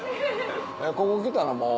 ここ来たらもう。